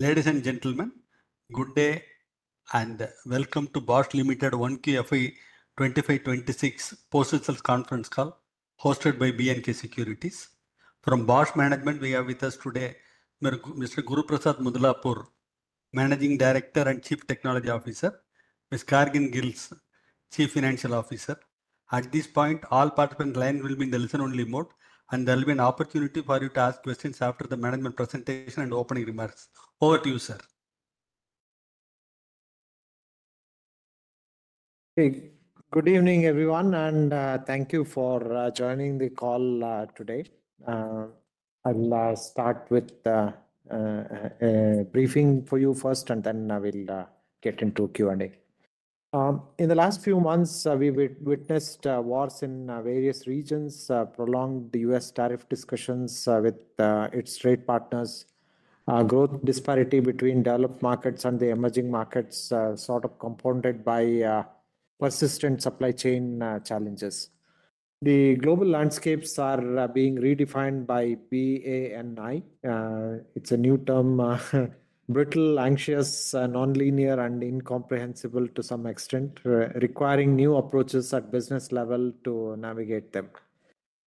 Ladies and Gentlemen, good day and welcome to Bosch Limited 1 KFE 2025/2026 post itself conference call hosted by B&K Securities. From Bosch Management, we have with us today Mr. Guruprasad Mudlapur, Managing Director and Chief Technology Officer, Ms. Karin Gilges, Chief Financial Officer. At this point, all participant lines will be in the listen-only mode and there will be an opportunity for you to ask questions after the management presentation and opening remarks. Over to you, sir. Good evening everyone and thank you for joining the call today. I'll start with a briefing for you first and then we'll get into Q&A. In the last few months we witnessed wars in various regions, prolonged U.S. tariff discussions with its trade partners, growth disparity between developed markets and the emerging markets, sort of compounded by persistent supply chain challenges. The global landscapes are being redefined by BANI. It's a new term, brittle, anxious, nonlinear and incomprehensible to some extent, requiring new approaches at business level to navigate them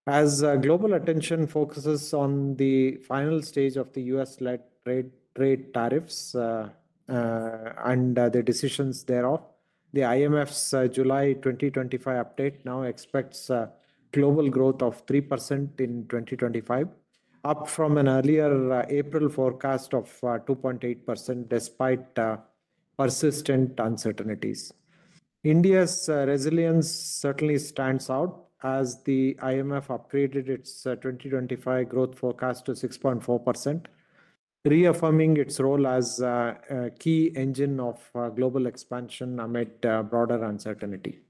as global attention focuses on the final stage of the U.S. led trade tariffs and the decisions thereof. The IMF's July 2025 update now expects global growth of 3% in 2025, up from an earlier April forecast of 2.8%. Despite persistent uncertainties, India's resilience certainly stands out as the IMF upgraded its 2025 growth forecast to 6.4%, reaffirming its role as a key engine of global expansion amid broader uncertainty.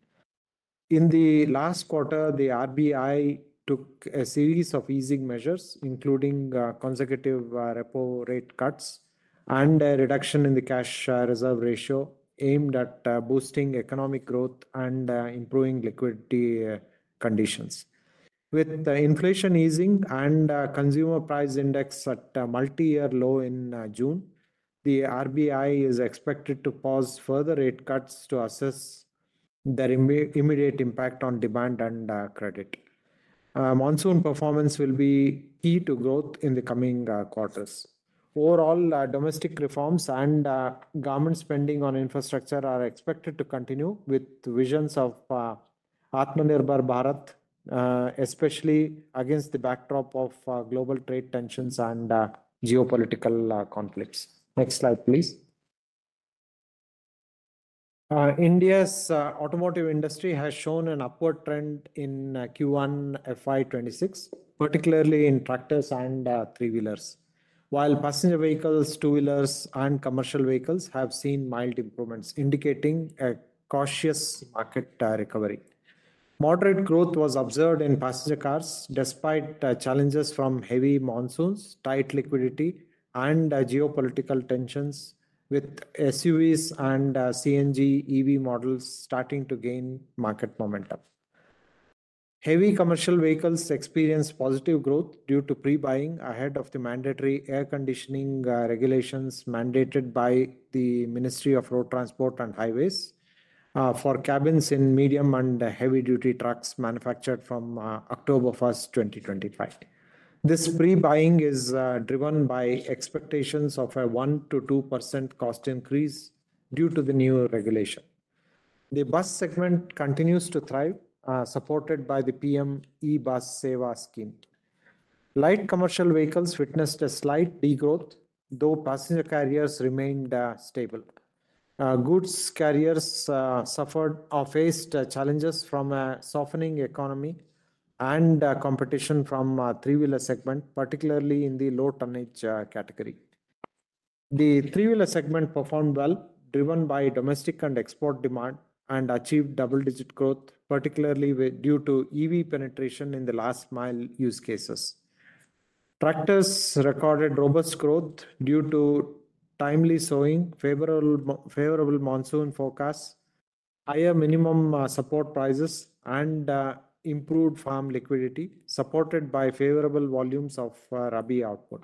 In the last quarter, the RBI took a series of easing measures including consecutive repo rate cuts and reduction in the cash reserve ratio aimed at boosting economic growth and improving liquidity conditions. With the inflation easing and consumer price index at multi-year low in June, the RBI is expected to pause further rate cuts to assess their immediate impact on demand and credit. Monsoon performance will be key to growth in the coming quarters. Overall, domestic reforms and government spending on infrastructure are expected to continue with visions of Atmanirbhar Bharat especially against the backdrop of global trade tensions and geopolitical conflicts. Next slide please. India's automotive industry has shown an upward trend in Q1 FY 2026, particularly in tractors and three wheelers, while passenger vehicles, two wheelers and commercial vehicles have seen mild improvements, indicating a cautious market recovery. Moderate growth was observed in passenger cars despite challenges from heavy monsoons, tight liquidity and geopolitical tensions with SUVs and CNG EV models starting to gain market momentum. Heavy commercial vehicles experience positive growth due to pre-buying ahead of the mandatory air conditioning regulations mandated by the Ministry of Road Transport and Highways for cabins in medium and heavy duty trucks manufactured from October 1, 2025. This pre-buying is driven by expectations of a 1%-2% cost increase due to the new regulation. The bus segment continues to thrive, supported by the PM-eBus Sewa Scheme. Light commercial vehicles witnessed a slight degrowth, though passenger carriers remained stable. Goods carriers faced challenges from a softening economy and competition from the three wheeler segment, particularly in the low tonnage category. The three wheeler segment performed well, driven by domestic and export demand, and achieved double-digit growth, particularly due to EV penetration in the last mile use cases. Tractors recorded robust growth due to timely sowing, favorable monsoon forecasts, higher minimum support prices, and improved farm liquidity supported by favorable volumes of [RABI] output.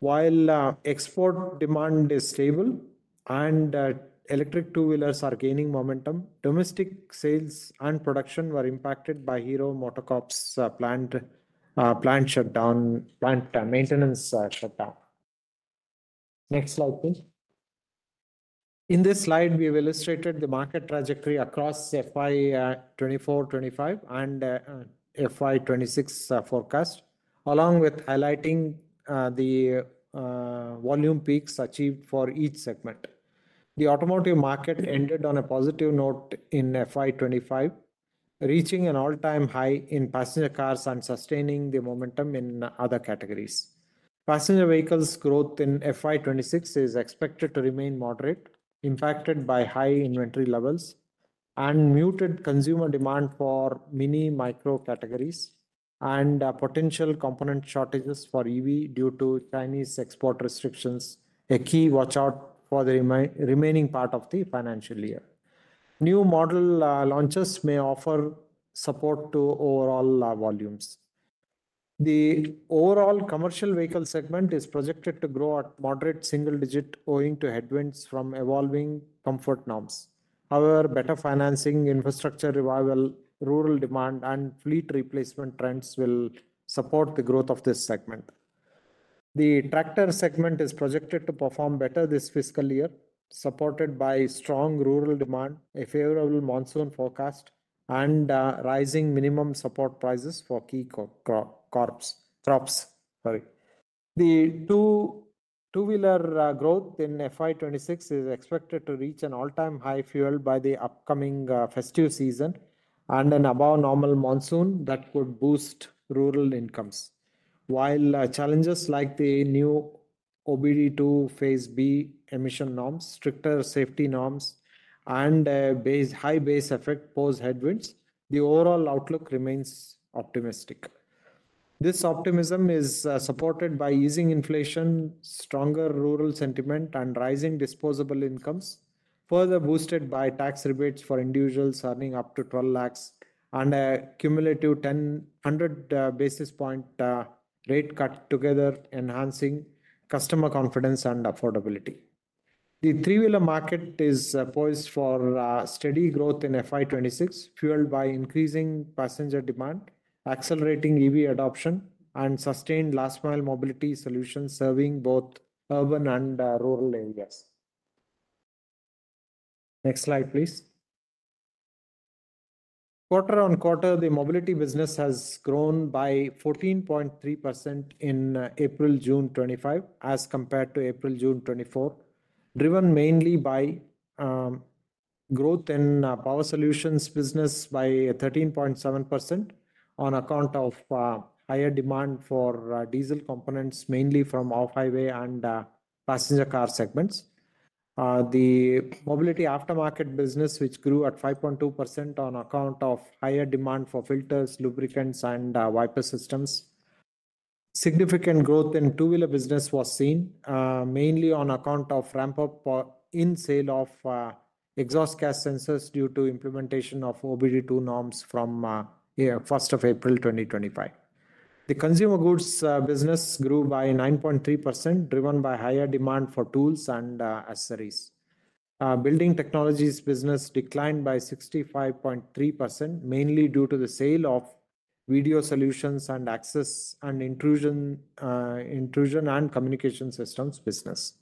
While export demand is stable and electric two wheelers are gaining momentum, domestic sales and production were impacted by Hero MotoCorp's plant shutdown, plant maintenance shutdown. Next slide please. In this slide, we have illustrated the market trajectory across FY 2024, FY 2025, and FY 2026 forecast, along with highlighting the volume peaks achieved for each segment. The automotive market ended on a positive note in FY 2025, reaching an all-time high in passenger cars and sustaining the momentum in other categories. Passenger vehicles growth in FY 2026 is expected to remain moderate, impacted by high inventory levels and muted consumer demand for mini micro categories and potential component shortages for EV due to Chinese export restrictions, a key watch out for the remaining part of the financial year. New model launches may offer support to overall volumes. The overall commercial vehicle segment is projected to grow at moderate single digit owing to headwinds from evolving comfort norms. However, better financing, infrastructure revival, rural demand, and fleet replacement trends will support the growth of this segment. The tractor segment is projected to perform better this fiscal year, supported by strong rural demand, a favorable monsoon forecast, and rising minimum support prices for key crops. The two wheeler growth in FY 2026 is expected to reach an all-time high, fueled by the upcoming festive season and an above normal monsoon that could boost rural incomes. While challenges like the new OBD 2 phase-B emission norms, stricter safety norms, and high base effect pose headwinds, the overall outlook remains optimistic. This optimism is supported by easing inflation, stronger rural sentiment, and rising disposable incomes further boosted by tax rebates for individuals earning up to 1.2 million and a cumulative 100 basis point rate cut, together enhancing customer confidence and affordability. The three wheeler market is poised for steady growth in FY 2026, fueled by increasing passenger demand, accelerating EV adoption, and sustained last mile mobility solutions serving both urban and rural areas. Next slide please. Quarter on quarter, the mobility business has grown by 14.3% in April to June 2025 as compared to April to June 2024, driven mainly by growth in Power Solutions business by 13.7% on account of higher demand for diesel components, mainly from off-highway and passenger car segments. The mobility Aftermarket business grew at 5.2% on account of higher demand for filters, lubricants, and wiper systems. Significant growth in Two-Wheeler business was seen mainly on account of ramp up in sale of exhaust gas sensors due to implementation of OBD 2 norms from April 1, 2025. The Consumer Goods business grew by 9.3%, driven by higher demand for tools and accessories. Building Technologies business declined by 65.3%, mainly due to the sale of video surveillance systems, access and intrusion, and communication systems business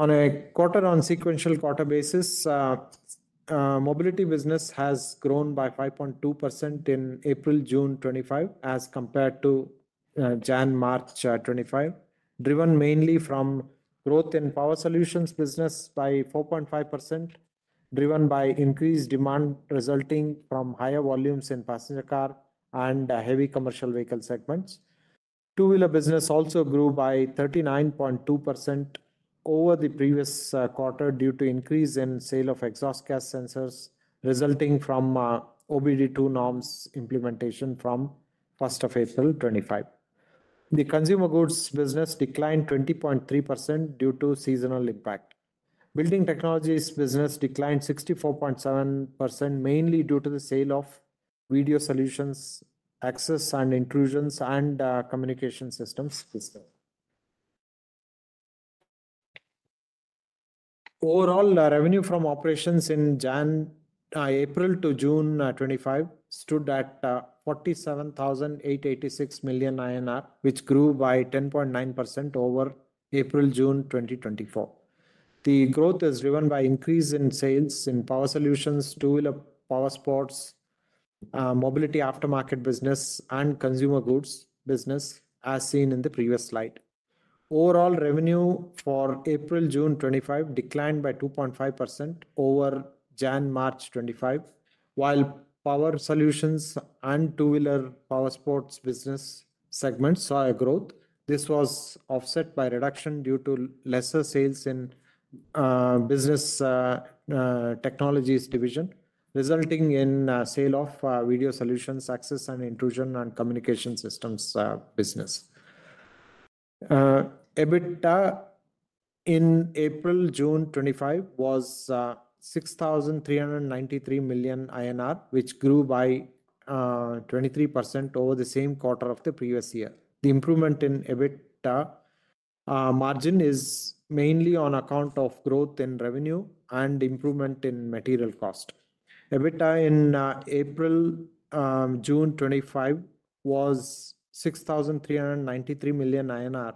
on a sequential quarter basis. Mobility business has grown by 5.2% in April to June 2025 as compared to January 2025, driven mainly from growth in Power Solutions business by 4.5%, driven by increased demand resulting from higher volumes in passenger car and heavy commercial vehicle segments. Two-Wheeler business also grew by 39.2% over the previous quarter due to increase in sale of exhaust gas sensors resulting from OBD 2 norms implementation from April 1, 2025. The Consumer Goods business declined 20.3% due to seasonal impact. Building Technologies business declined 64.7%, mainly due to the sale of video surveillance systems, access and intrusions, and communication systems. Overall revenue from operations in April to June 2025 stood at 47,886 million INR, which grew by 10.9% over April to June 2024. The growth is driven by increase in sales in Power Solutions, Two-Wheeler, Power Sports Mobility, Aftermarket business, and Consumer Goods business. As seen in the previous slide, overall revenue for April to June 2025 declined by 2.5% over January 2025, while Power Solutions and Two-Wheeler Power Sports business segments saw a growth. This was offset by reduction due to lesser sales in Building Technologies division resulting in sale of video surveillance systems, access and intrusion, and communication systems business. Business EBITDA in April-June 2025 was 6,393 million INR, which grew by 23% over the same quarter of the previous year. The improvement in EBIT margin is mainly on account of growth in revenue and improvement in material cost. EBITDA in April-June 2025 was 6,393 million INR,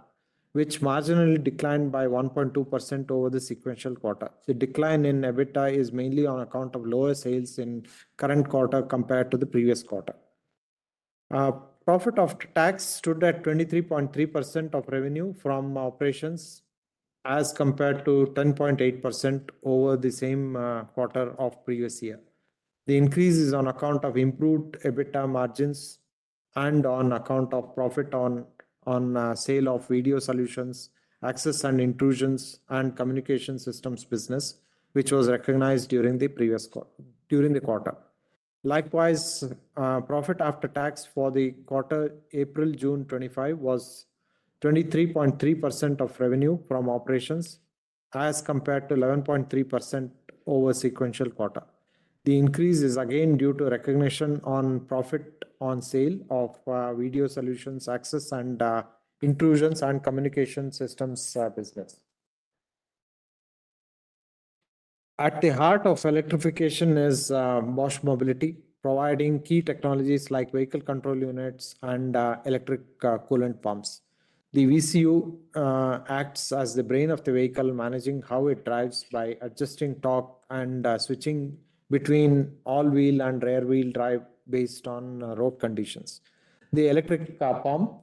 which marginally declined by 1.2% over the sequential quarter. The decline in EBITDA is mainly on account of lower sales in the current quarter compared to the previous quarter. Profit after tax stood at 23.3% of revenue from operations as compared to 10.8% over the same quarter of previous year. The increase is on account of improved EBITDA margins and on account of profit on sale of video surveillance systems, access and intrusion, and communication systems business, which was recognized during the quarter. Likewise, profit after tax for the quarter April-June 2025 was 23.3% of revenue from operations as compared to 11.3% over the sequential quarter. The increase is again due to recognition of profit on sale of video surveillance systems, access and intrusion, and communication systems business. At the heart of electrification is Bosch Mobility, providing key technologies like vehicle control units and electric coolant pumps. The VCU acts as the brain of the vehicle, managing how it drives by adjusting torque and switching between all-wheel and rear-wheel drive based on road conditions. The electric pump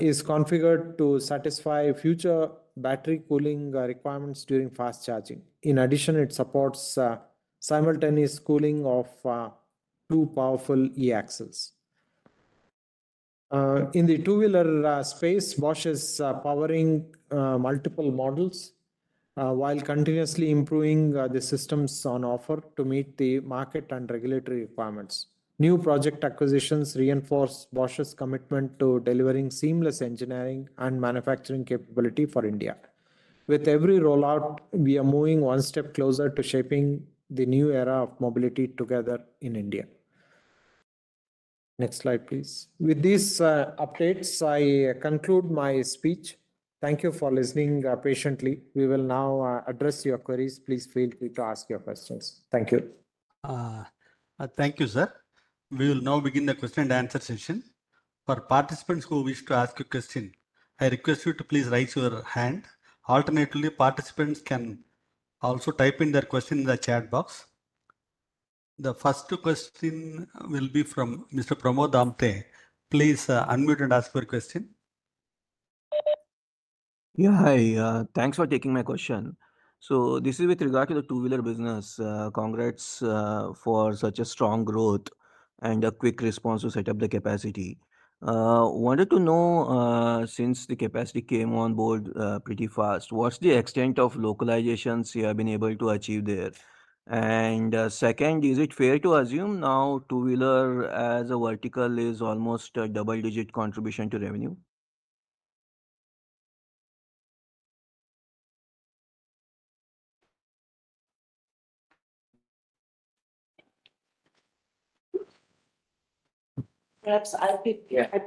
is configured to satisfy future battery cooling requirements during fast charging. In addition, it supports simultaneous cooling of two powerful E axles. In the Two-wheeler space, Bosch is powering multiple models while continuously improving the systems on offer to meet the market and regulatory requirements. New project acquisitions reinforce Bosch's commitment to delivering seamless engineering and manufacturing capability for India. With every rollout, we are moving one step closer to shaping the new era of mobility together in India. Next slide please. With these updates I conclude my speech. Thank you for listening patiently. We will now address your queries. Please feel free to ask your questions. Thank you. Thank you, sir. We will now begin the question and answer session. For participants who wish to ask a question, I request you to please raise your hand. Alternately, participants can also type in their question in the chat box. The first question will be from Mr. Pramod Amte. Please unmute and ask your question. Yeah, hi, thanks for taking my question. This is with regard to the Two-Wheeler business. Congrats for such a strong growth and a quick response to set up the capacity. Wanted to know, since the capacity came on board pretty fast, what's the extent of localization you have been able to achieve there? Second, is it fair to assume now Two-Wheeler as a vertical is almost a double-digit contribution to revenue? Perhaps I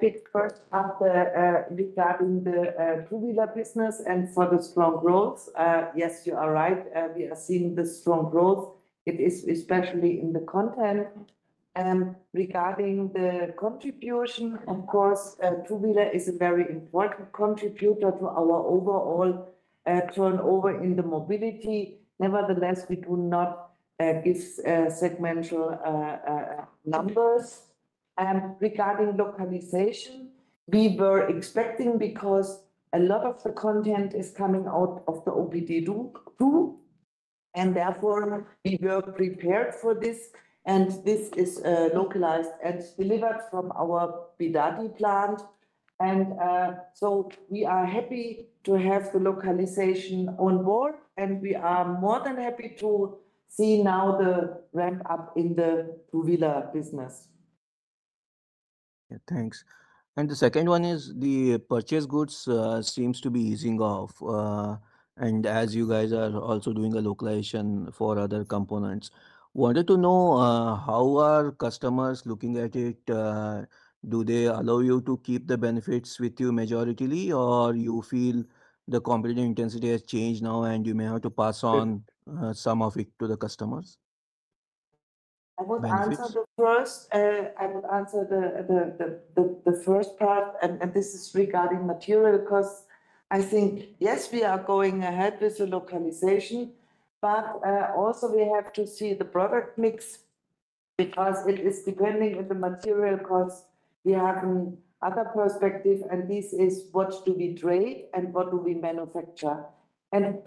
picked first after regarding the Two-Wheeler business and for the strong growth. Yes, you are right, we are seeing the strong growth especially in the content regarding the contribution. Of course, Two-Wheeler is a very important contributor to our overall turnover in the mobility. Nevertheless, we do not give segmental numbers. Regarding localization, we were expecting because a lot of the content is coming out of the OBD 2, and therefore we were prepared for this. This is localized and delivered from our Bidadi plant. We are happy to have the localization on board. We are more than happy to see now the ramp up in the Two-Wheeler business. Thanks. The purchase goods seems to be easing off. As you guys are also doing localization for other components, wanted to know how are customers looking at it? Do they allow you to keep the benefits with you majority or do you feel the competitive intensity has changed now and you may have to pass on some of it to the customers? I would answer the first part. This is regarding material because I think yes, we are going ahead with the localization. We also have to see the product mix because it is depending on the material cost. We have other perspective. This is what do we trade and what do we manufacture?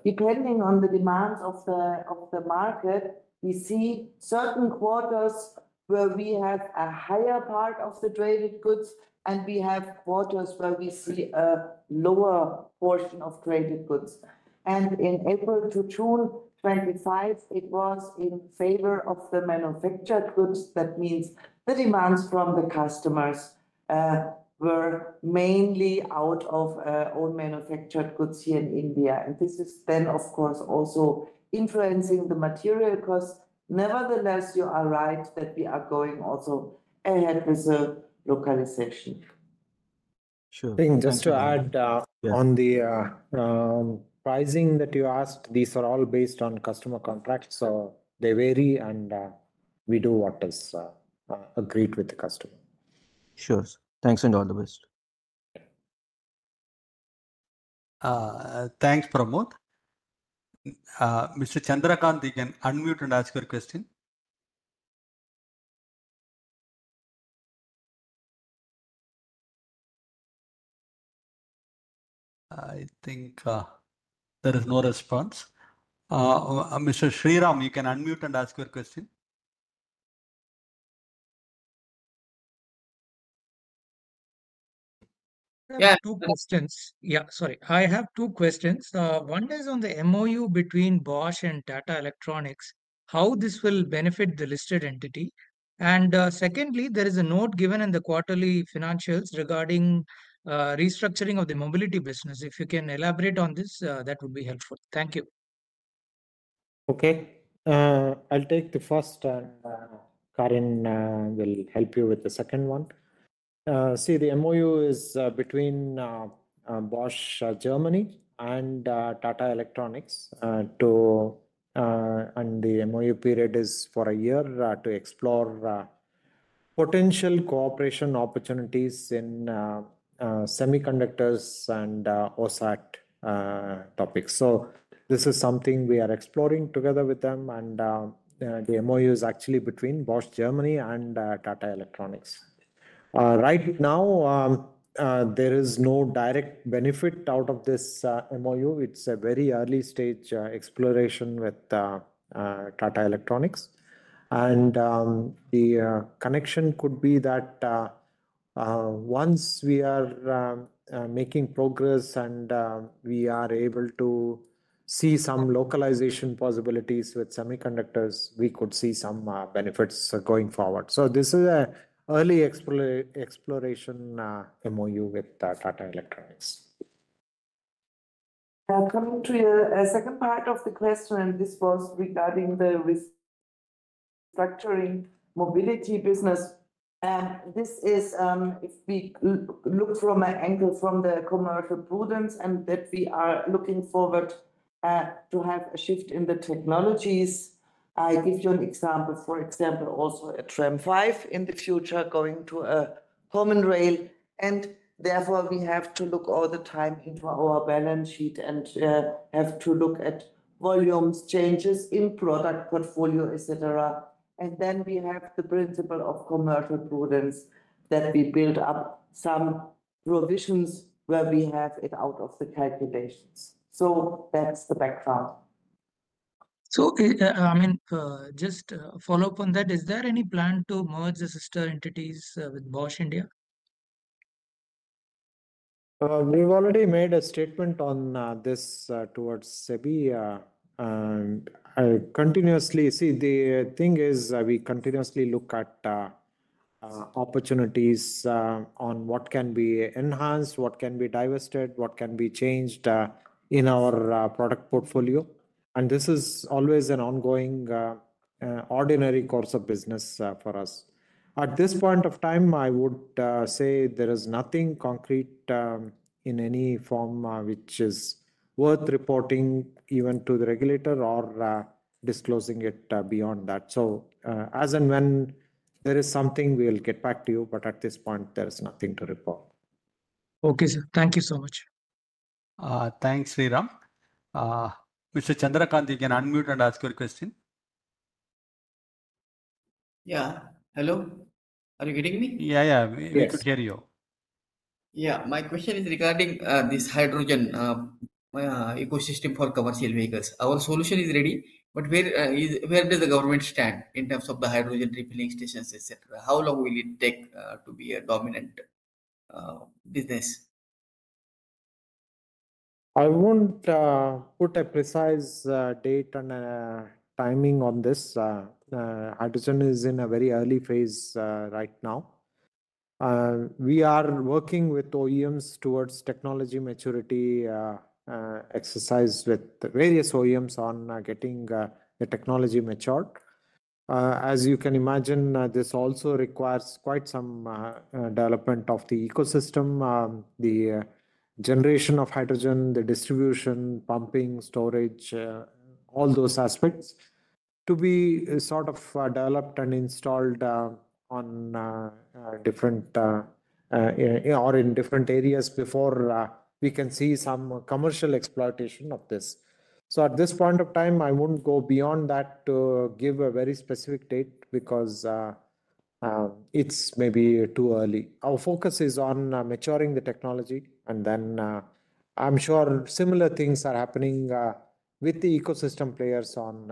Depending on the demands of the market, we see certain quarters where we have a higher part of the traded goods and we have quarters where we see a lower portion of traded goods. In April to June 2025, it was in favor of the manufactured goods. That means the demands from the customers were mainly out of own manufactured goods here in India. This is then of course also influencing the material costs. Nevertheless, you are right that we are going also ahead with the localization. Sure. Just to add on the pricing that you asked, these are all based on customer contracts. They vary, and we do what is agreed with the customer. Sure, thanks. All the best. Thanks, Pramod. Mr. Chandrakant, you can unmute and ask your question. I think there is no response. Mr. Sriram, you can unmute and ask your question. Yeah, two questions. Sorry, I have two questions. One is on the MoU between Bosch and Tata Electronics. How this will benefit the listed entity? Secondly, there is a note given in the quarterly financials regarding restructuring of the mobility business. If you can elaborate on this, that would be helpful. Thank you. Thank you. Okay, I'll take the first. Karin will help you with the second one. The MoU is between Bosch Germany and Tata Electronics. The MoU period is for a year to explore potential cooperation opportunities in semiconductors and OSAT topics. This is something we are exploring together with them. The MoU is actually between Bosch Germany and Tata Electronics. Right now, there is no direct benefit out of this MoU. It's a very early stage exploration with Tata Electronics. The connection could be that once we are making progress and we are able to see some localization possibilities with semiconductors, we could see some benefits going forward. This is an early exploration MoU with Tata Electronics. Coming to a second part of the question. This was regarding the restructuring mobility business. If we look from an angle from the commercial prudence and that we are looking forward to have a shift in the technologies. I give you an example, for example also a TREM5 in the future going to a common rail. Therefore, we have to look all the time into our balance sheet and have to look at volumes, changes in product portfolio, etc. We have the principle of commercial prudence that we build up some provisions where we have it out of the calculations. That's the background. Okay, I mean just follow up on that. Is there any plan to merge the sister entities with Bosch India? We've already made a statement on this towards SEBI and continuously. See, the thing is we continuously look at opportunities on what can be enhanced, what can be divested, what can be changed in our product portfolio. This is always an ongoing ordinary course of business for us. At this point of time, I would say there is nothing concrete in any form which is worth reporting even to the regulator or disclosing it beyond that. As and when there is something, we'll get back to you. At this point there is nothing to report. Okay, sir, thank you so much. Thanks, Sriram. Mr. Chandrakant, you can unmute and ask your question. Yeah, hello. Are you getting me? Yeah, yeah. Yeah. My question is regarding this hydrogen ecosystem for commercial vehicles. Our solution is ready. Where does the government stand in terms of the hydrogen refilling stations, etc.? How long will it take to be a dominant business? I won't put a precise date and timing on this. Hydrogen is in a very early phase. Right now we are working with OEMs towards technology maturity exercise with various OEMs on getting the technology matured. As you can imagine, this also requires quite some development of the ecosystem. The generation of hydrogen, the distribution, pumping, storage, all those aspects need to be developed and installed in different areas before we can see some commercial exploitation of this. At this point of time I won't go beyond that to give a very specific date because it's maybe too early. Our focus is on maturing the technology and then I'm sure similar things are happening with the ecosystem players on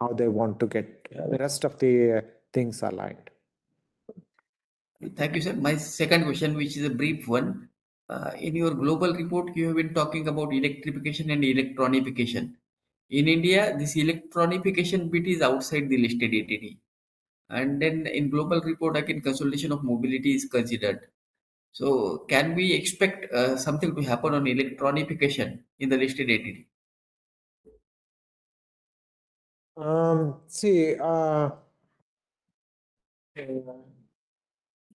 how they want to get the rest of the things aligned. Thank you, sir. My second question, which is a brief one. In your global report, you have been talking about electrification and electronification in India. This electronification bit is outside the listed entity, and then in the global report again, consolidation of mobility is considered. Can we expect something to happen on electronification in the listed entity? See,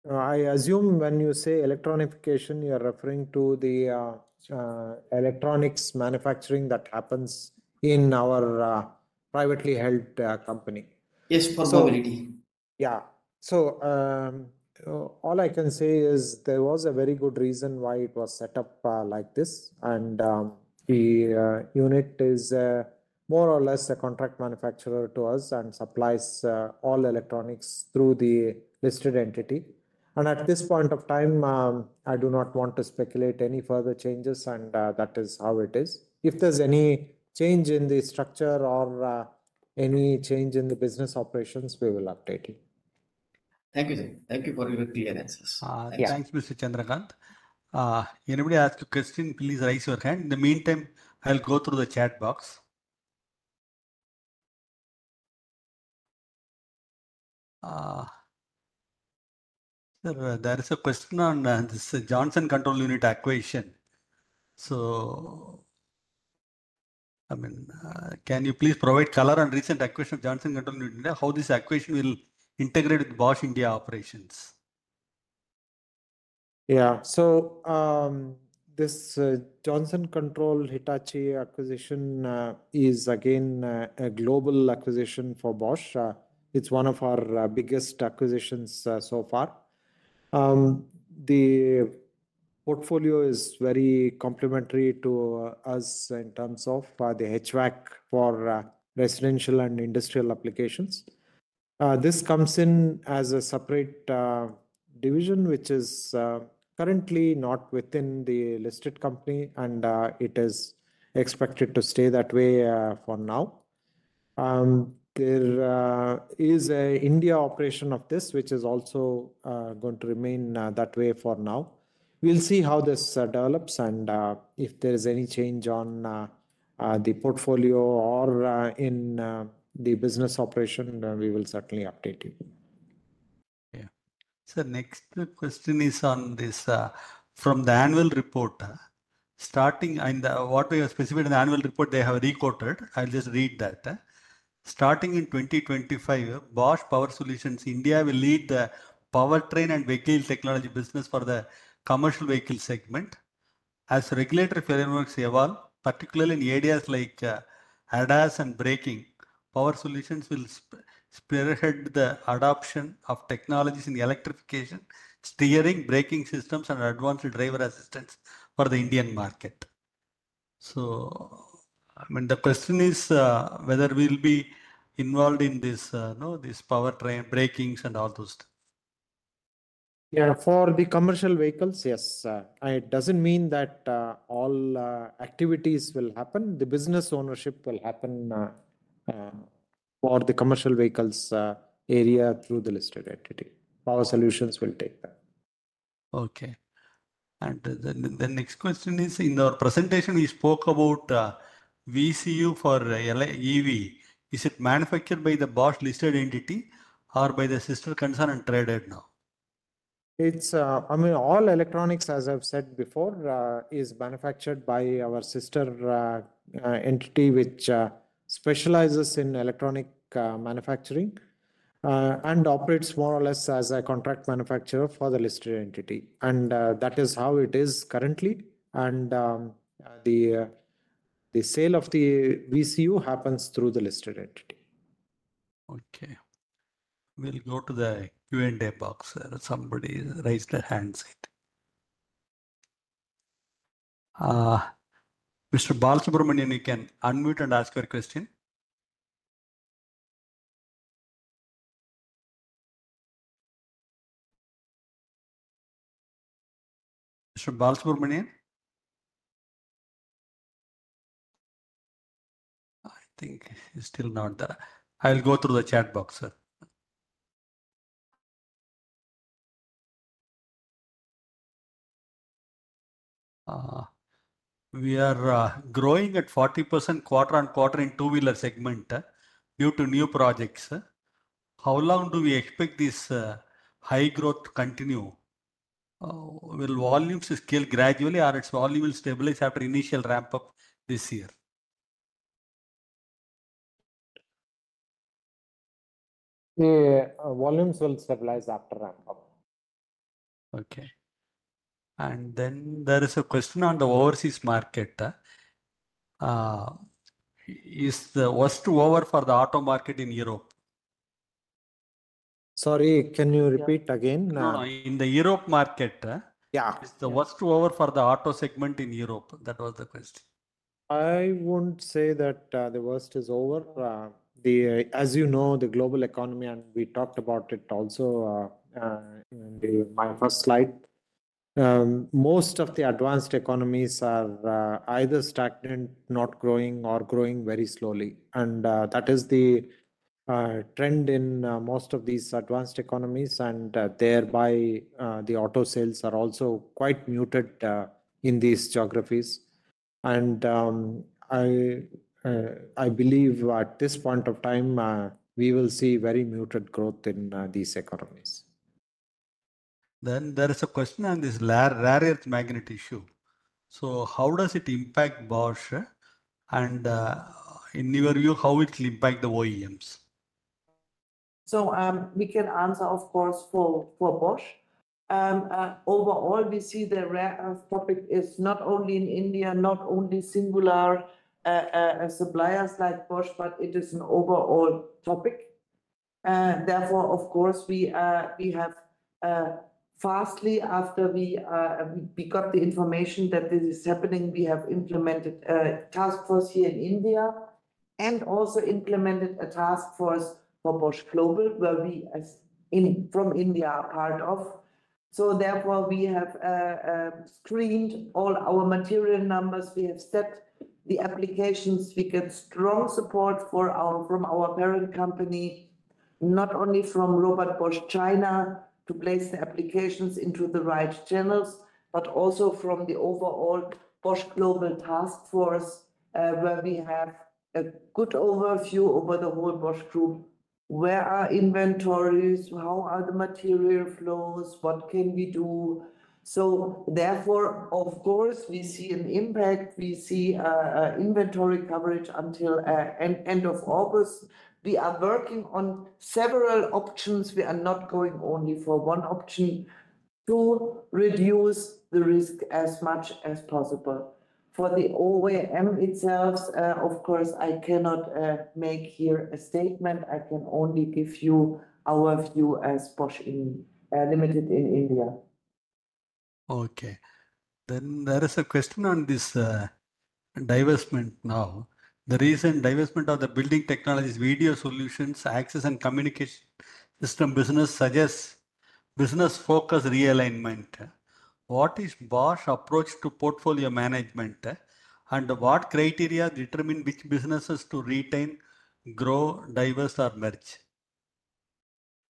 I assume when you say electrification, you are referring to the electronics manufacturing that happens in our privately held company. Yes, for mobility. All I can say is there was a very good reason why it was set up like this, and the unit is more or less a contract manufacturer to us and supplies all electronics through the listed entity. At this point of time, I do not want to speculate any further changes. That is how it is. If there's any change in the structure or any change in the business operations, we will update it. Thank you. Thank you for your clearances. Thanks, Mr. Chandra. Anybody who wants to ask a question, please raise your hand. In the meantime, I'll go through the chat box. There is a question on this Johnson Controls unit equation. So can you please provide color on recent acquisition of Johnson Controls India, how this acquisition will integrate with Bosch India operations? Yeah. This Johnson Controls Hitachi acquisition is again a global acquisition for Bosch. It's one of our biggest acquisitions so far. The portfolio is very complementary to us in terms of the HVAC for residential and industrial applications. This comes in as a separate division, which is currently not within the listed company, and it is expected to stay that way for now. There is an India operation of this, which is also going to remain that way for now. We'll see how this develops, and if there is any change on the portfolio or in the business operation, we will certainly update you. The next question is on this. From the annual report starting and what we have specified in the annual report, they have re-quoted. I'll just read that. Starting in 2025, Bosch Power Solutions India will lead the powertrain and vehicle technology business for the commercial vehicle segment. As regulatory frameworks evolve, particularly in areas like ADAS and braking, Power Solutions will spearhead the adoption of technologies in electrification, steering, braking systems, and advanced driver assistance for the Indian market. The question is whether we'll be involved in this, know this powertrain, brakings, and all those. Yeah. For the commercial vehicles, yes. It doesn't mean that all activities will happen. The business ownership will happen for the commercial vehicles area through the listed entity. Power Solutions will take that. Okay, the next question is, in our presentation we spoke about VCU for EV, is it manufactured by the Bosch entity or by the sister concern and traded now? I mean, all electronics, as I've said before, is manufactured by our sister entity which specializes in electronic manufacturing and operates more or less as a contract manufacturer for the listed entity. That is how it is currently. The sale of the VCU happens through the listed entity. Okay, we'll go to the Q and A box. Somebody raised their hands. Mr. Balasubramaniam, you can unmute and ask your question. I think it's still not there. I'll go through the chat box. Sir, we are growing at 40% quarter on quarter in Two Wheeler segment due to new projects. How long do we expect this high growth to continue? Will volumes scale gradually or its volume will stabilize after initial ramp up this year? Volumes will stabilize after ramp up. Okay, there is a question on the overseas market. Is the worst over for the auto market in Europe? Sorry, can you repeat again. In the Europe market? Is the worst over for the auto segment in Europe. That was the question. I wouldn't say that the worst is over. As you know, the global economy, and we talked about it also in my first slide, most of the advanced economies are either stagnant, not growing, or growing very slowly. That is the trend in most of these advanced economies and thereby the auto sales are also quite muted in these geographies. I believe at this point of time we will see very muted growth in these economies. There is a question on this rare earth magnet issue. How does it impact Bosch and in your view, how will it impact the OEMs? We can answer, of course for Bosch, overall we see the rare earth topic is not only in India, not only singular suppliers like Bosch, but it is an overall topic. Therefore, of course we have, after we got the information that this is happening, implemented a task force here in India and also implemented a task force for Bosch Global where we from India are part of. Therefore we have screened all our material numbers, we have set the applications, we get strong support from our parent company, not only from Bosch China to place the applications into the right channels, but also from the overall Bosch Global task force where we have a good overview over the whole Bosch group. Where are inventories, how are the material flows? What can we do? Therefore, of course we see an impact. We see inventory coverage until end of August. We are working on several options. We are not going only for one option to reduce the risk as much as possible for the OEM itself. Of course I cannot make here a statement. I can only give you our view as Bosch Limited in India. Okay, then there is a question on this divestment. Now, the recent divestment of the Building Technologies division, video surveillance systems, access, and communication systems business suggests business focus realignment. What is Bosch approach to portfolio management, and what criteria determine which businesses to retain, grow, divest, or merge?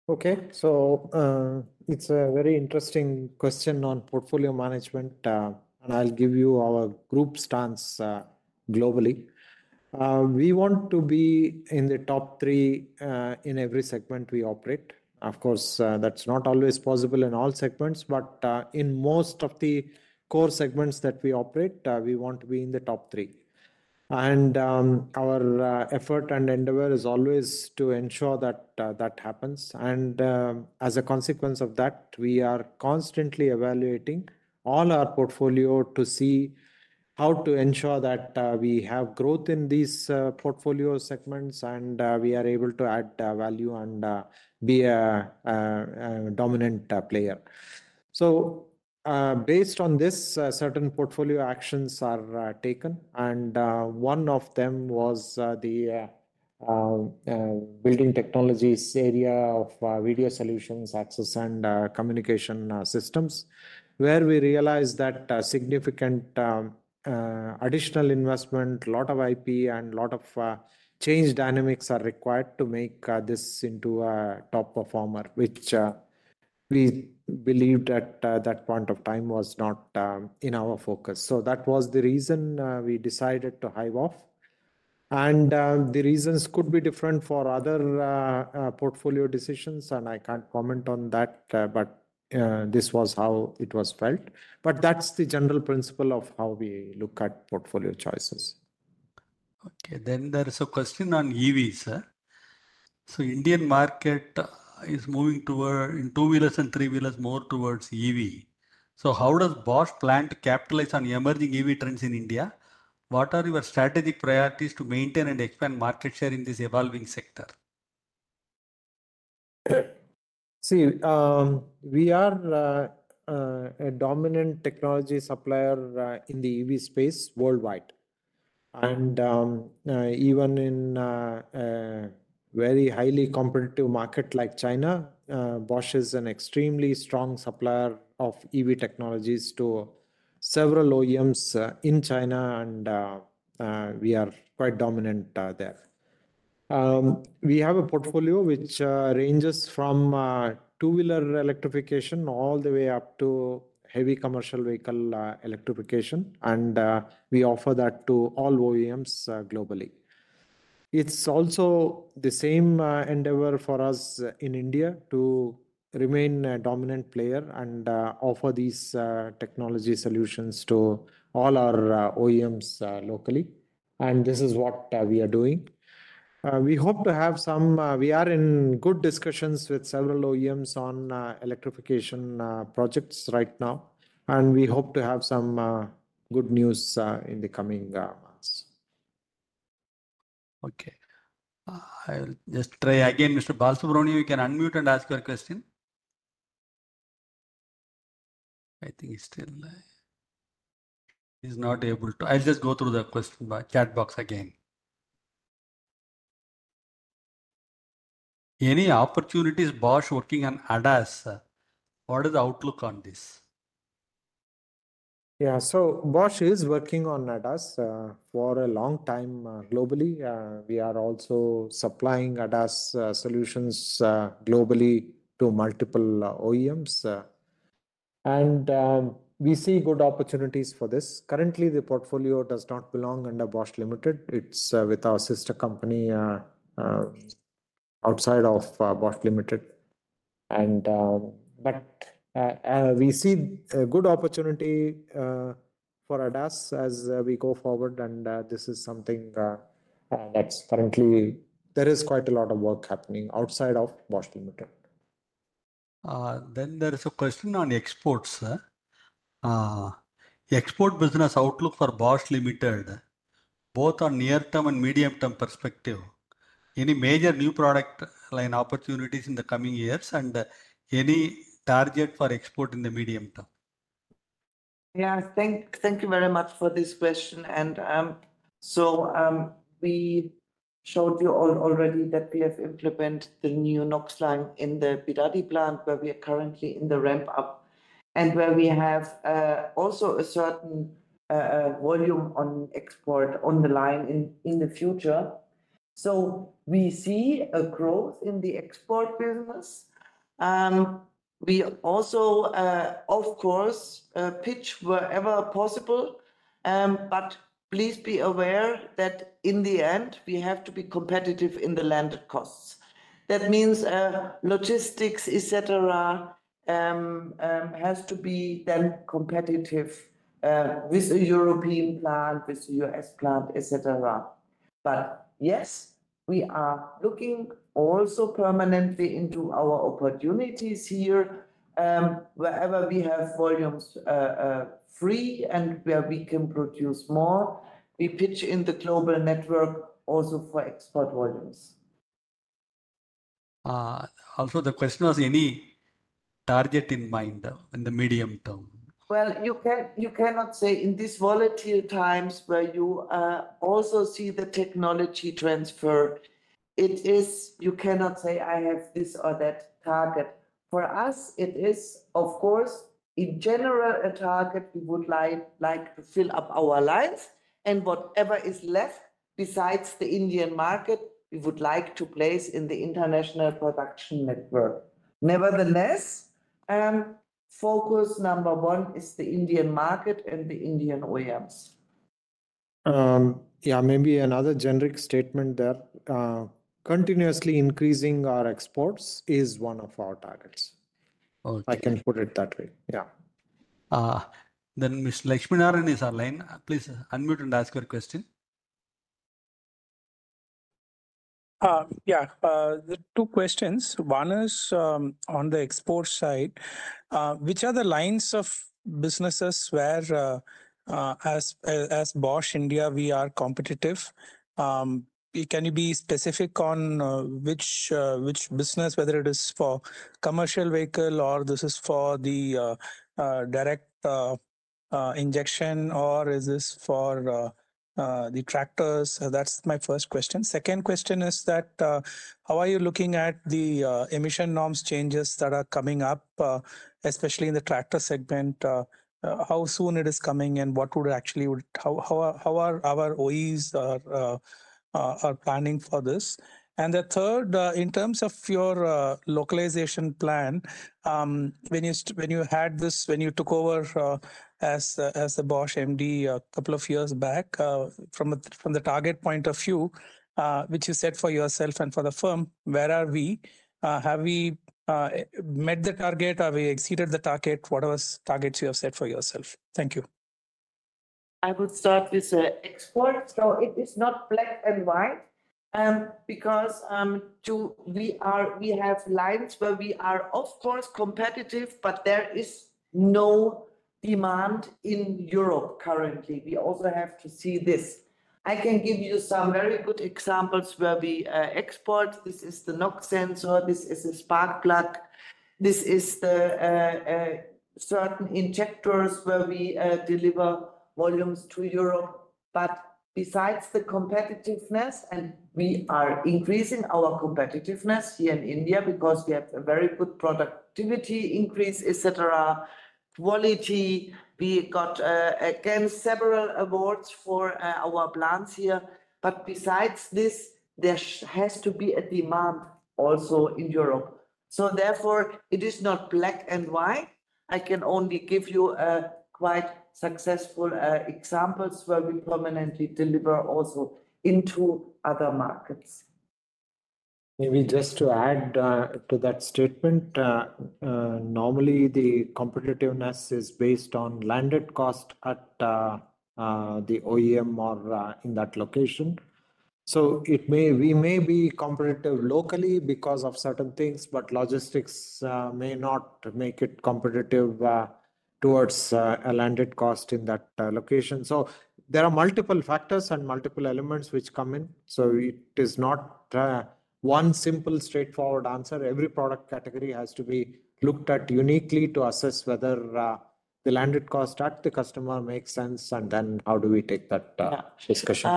Okay, so it's a very interesting question, question on portfolio management and I'll give you our group stance. Globally, we want to be in the top three in every segment we operate. Of course that's not always possible in all segments, but in most of the core segments that we operate, we want to be in the top three. Our effort and endeavor is always to ensure that that happens. As a consequence of that, we are constantly evaluating all our portfolio to see how to ensure that we have growth in these portfolio segments and we are able to add value and be a dominant player. Based on this, certain portfolio actions are taken and one of them was the Building Technologies division area of video surveillance systems, access and communication systems where we realized that significant additional investment, a lot of IP and a lot of change dynamics are required to make this into a top performer, which we believed at that point of time was not in our focus. That was the reason we decided to hive off. The reasons could be different for other portfolio decisions. I can't comment on that, but this was how it was felt. That's the general principle of how we look at portfolio choices. Okay, there is a question on EV, sir. The Indian market is moving toward, in two-wheelers and three-wheelers, more towards EV. How does Bosch plan to capitalize on emerging EV trends in India? What are your strategic priorities to maintain and expand market share in this evolving sector? See, we are a dominant technology supplier in the EV space worldwide and even in a very highly competitive market like China. Bosch is an extremely strong supplier of EV technologies to several OEMs in China, and we are quite dominant there. We have a portfolio which ranges from Two-Wheeler electrification all the way up to heavy commercial vehicle electrification, and we offer that to all OEMs globally. It is also the same endeavor for us in India to remain a dominant player and offer these technology solutions to all our OEMs locally. This is what we are doing. We are in good discussions with several OEMs on electrification projects right now, and we hope to have some good news in the coming months. Okay, I will just try again. Mr. Balsa Brown, you can unmute and ask your question. I think he's still, he's not able to. I'll just go through the question chat box again. Any opportunities Bosch working on ADAS? What is the outlook on this? Yeah, Bosch is working on ADAS for a long time globally. We are also supplying ADAS solutions globally to multiple OEMs, and we see good opportunities for this. Currently, the portfolio does not belong under Bosch Limited. It's with our sister company outside of Bosch Limited. We see a good opportunity for ADAS as we go forward. This is something that's currently, there is quite a lot of work happening outside of Bosch Limited. There is a question on exports, export business outlook for Bosch Limited, both on near term and medium term perspective. Any major new product line opportunities in the coming years, and any target for export in the medium term? Thank you very much for this question. We showed you already that we have implemented the new NOx in the Bidadi plant where we are currently in the ramp up and where we have also a certain volume on export on the line in the future. We see a growth in the export business. We also of course pitch wherever possible. Please be aware that in the end we have to be competitive in the landed costs. That means logistics, etc. has to be then competitive with a European plant, with the U.S. plant, etc. Yes, we are looking also permanently into our opportunities here. Wherever we have volumes free and where we can produce more, we pitch in the global network also for export volumes. Also, the question was any target in mind in the medium term? You cannot say in these volatile times where you also see the technology transfer, it is. You cannot say I have this or that target. For us it is of course in general a target. We would like to fill up our lines, and whatever is left besides the Indian market we would like to place in the international production network. Nevertheless, focus number one is the Indian market and the Indian OEMs. Continuously increasing our exports is one of our targets. I can put it that way, yeah. M. Lakshmanan is online. Please unmute and ask her question. Yeah, two questions. One is on the export side, which are the lines of businesses where as Bosch India we are competitive. Can you be specific on which business? Whether it is for commercial vehicle or this is for the direct injection or is this for the tractors? That's my first question. Second question is that how are you looking at the emission norms changes that are coming up, especially in the tractor segment, how soon it is coming and what would actually how are our OEs are planning for this and the third, in terms of your localization plan, when you had this, when you took over as a Bosch MD a couple of years back, from the target point of view which you set for yourself and for the firm, where are we? Have we met the target? Have we exceeded the target? Whatever targets you have set for yourself. Thank you. I would start with export. It is not black and white because we have lines where we are of course competitive, but there is no demand in Europe currently. We also have to see this. I can give you some very good examples where we export. This is the knock sensor, this is a spark plug, this is certain injectors where we deliver volumes to Europe. Besides the competitiveness, and we are increasing our competitiveness here in India because we have a very good productivity increase, etc. Quality, we got again several awards for our plants here. Besides this, there has to be a demand also in Europe. Therefore, it is not black and white. I can only give you quite successful examples where we permanently deliver also into other markets. Maybe just to add to that statement, normally the competitiveness is based on landed cost at the OEM or in that location. We may be competitive locally because of certain things, but logistics may not make it competitive towards a landed cost in that location. There are multiple factors and multiple elements which come in. It is not one simple straightforward answer. Every product category has to be looked at uniquely to assess whether the landed cost at the customer makes sense. Then how do we take that discussion?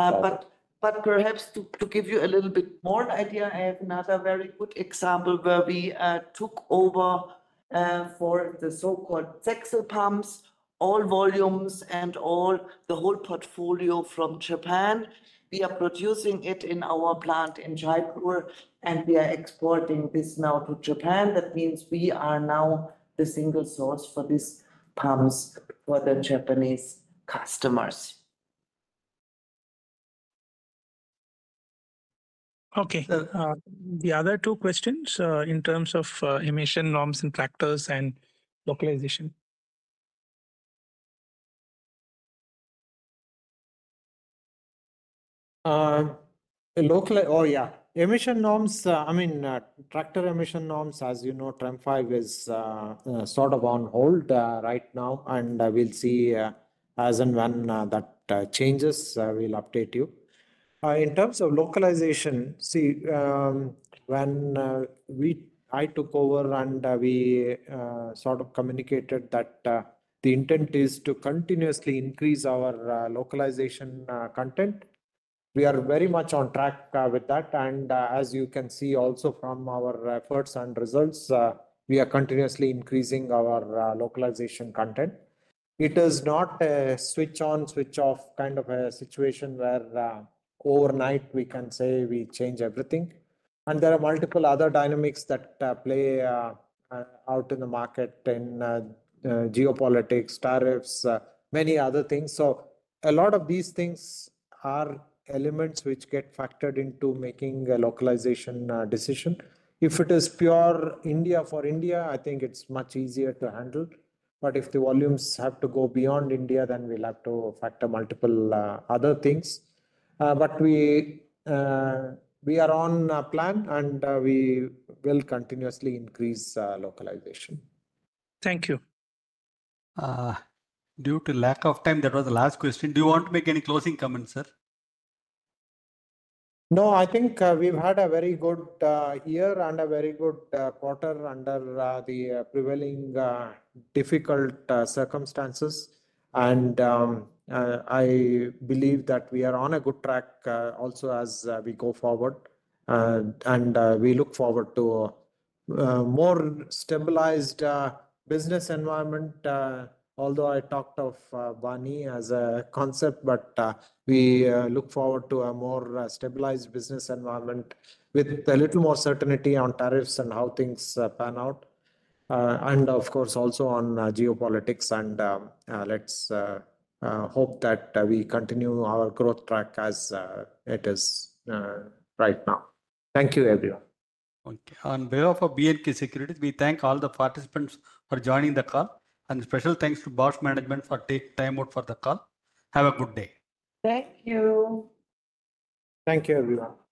To give you a little bit more idea, I have another very good example where we took over for the so-called ZEXEL pumps, all volumes and the whole portfolio from Japan. We are producing it in our plant in Jaipur, and we are exporting this now to Japan. That means we are now the single source for these pumps for Japanese customers. Okay, the other two questions, in terms of emission norms and tractors and localization. Locally. Oh yeah, emission norms. I mean tractor emission norms. As you know, TREM5 is sort of on hold right now. We'll see as and when that changes. We'll update you in terms of localization. See, when I took over and we sort of communicated that the intent is to continuously increase our localization content. We are very much on track with that. As you can see also from our efforts and results, we are continuously increasing our localization content. It is not a switch on, switch off kind of a situation where overnight we can say we change everything. There are multiple other dynamics that play out in the market in geopolitics, tariffs, many other things. A lot of these things are elements which get factored into making a localization decision. If it is pure India for India, I think it's much easier to handle. If the volumes have to go beyond India, then we'll have to factor multiple other things. We are on plan and we will continuously increase localization. Thank you. Due to lack of time, that was the last question. Do you want to make any closing comments, sir? I think we've had a very good year and a very good quarter under the prevailing difficult circumstances. I believe that we are on a good track also as we go forward. We look forward to a more stabilized business environment, although I talked of BANI as a concept, but we look forward to a more stabilized business environment with a little more certainty on tariffs and how things pan out and of course also on geopolitics. Let's hope that we continue our growth track as it is right now. Thank you everyone. On behalf of B&K Securities, we thank all the participants for joining the call. Special thanks to Bosch Management for taking time out for the call. Have a good day. Thank you. Thank you, everyone. Bye bye.